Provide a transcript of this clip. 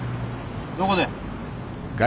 どこで？